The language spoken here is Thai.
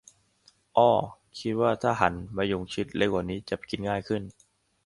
อ้อ คิดว่าถ้าหั่นมะยงชิดเล็กกว่านี้จะกินง่ายขึ้น